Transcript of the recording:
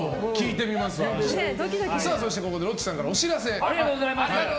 そして、ここでロッチさんからお知らせです。